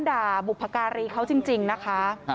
ด่าบุพการีเขาจริงนะคะ